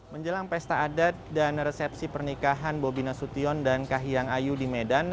menjelang pesta adat dan resepsi pernikahan bobi nasution dan kahiyang ayu di medan